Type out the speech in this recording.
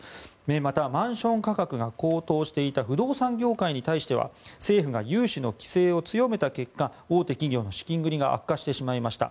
また、マンション価格が高騰していた不動産業界に対しては政府が融資の規制を強めた結果大手企業の資金繰りが悪化してしまいました。